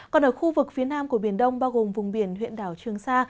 còn ở khu vực phía nam của biển đông bao gồm vùng biển huyện đảo trường sa